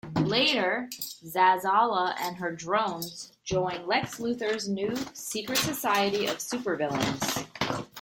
Later, Zazzala and her drones join Lex Luthor's new Secret Society of Super Villains.